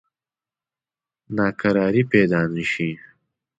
ناکراری پیدا نه شي.